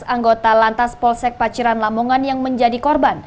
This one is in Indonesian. anggota lantas polsek paciran lamongan yang menjadi korban